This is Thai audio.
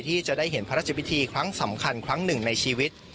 ที่จะได้เห็นพระราชพิธีครั้งสำคัญครั้งหนึ่งในชีวิต